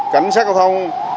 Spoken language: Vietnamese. cảnh sát giao thông